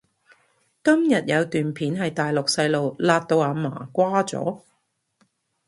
今日有段片係大陸細路勒到阿嫲瓜咗？